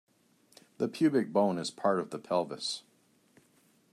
The pubic bone is part of the pelvis.